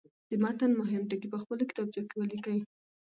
د متن مهم ټکي په خپلو کتابچو کې ولیکئ.